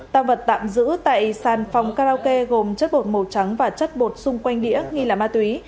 tăng vật tạm giữ tại sàn phòng karaoke gồm chất bột màu trắng và chất bột xung quanh đĩa nghi là ma túy